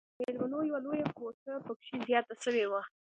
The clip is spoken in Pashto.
د ميلمنو يوه لويه کوټه پکښې زياته سوې وه.